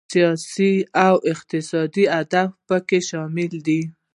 سیاسي او اقتصادي اهداف پکې شامل دي.